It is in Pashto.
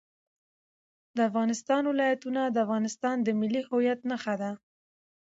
د افغانستان ولايتونه د افغانستان د ملي هویت نښه ده.